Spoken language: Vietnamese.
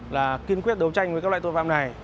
là kiên quyết đấu tranh với các loại tội phạm này